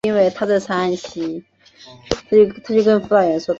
异色线柱苣苔为苦苣苔科线柱苣苔属下的一个种。